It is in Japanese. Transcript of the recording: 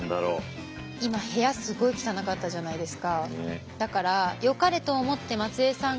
今部屋すごい汚かったじゃないですか。